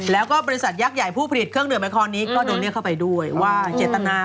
แล้วก็บริษัทยักษ์ใหญ่ผู้ผลิตเครื่องดื่มแอคอนนี้ก็โดนเรียกเข้าไปด้วยว่าเจตนา